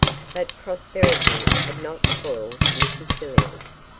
But prosperity had not spoiled Mrs Villiers.